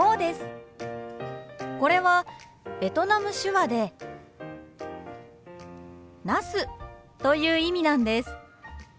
これはベトナム手話でナスという意味なんです。